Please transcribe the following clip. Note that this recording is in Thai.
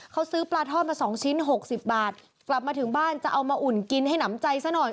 เขาซื้อปลาทอดมา๒ชิ้น๖๐บาทกลับมาถึงบ้านจะเอามาอุ่นกินให้หนำใจซะหน่อย